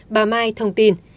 bà mai thông tin